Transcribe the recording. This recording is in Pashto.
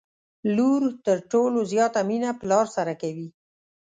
لور تر ټولو زياته مينه پلار سره کوي